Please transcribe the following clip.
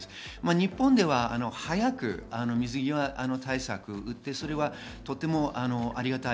日本では早く水際対策を打って、とてもありがたい。